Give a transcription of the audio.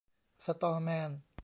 สะตอแมน